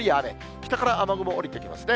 北から雨雲降りてきますね。